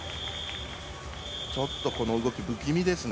ちょっとこの動き不気味ですね。